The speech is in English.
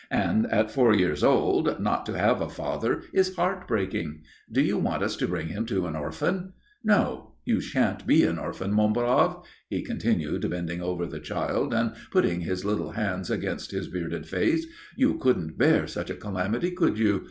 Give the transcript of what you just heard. And at four years old not to have a father is heart breaking. Do you want us to bring him up an orphan? No. You shan't be an orphan, mon brave," he continued, bending over the child and putting his little hands against his bearded face, "you couldn't bear such a calamity, could you?